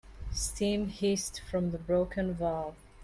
Steam hissed from the broken valve.